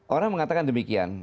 orang mengatakan demikian